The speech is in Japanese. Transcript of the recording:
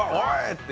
って